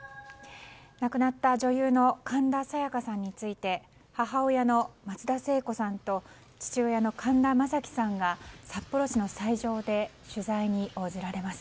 亡くなった女優の神田沙也加さんについて母親の松田聖子さんと父親の神田正輝さんが札幌市の斎場で取材に応じられます。